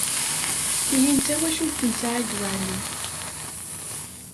Tihin d tawacult n Saɛid Waɛli.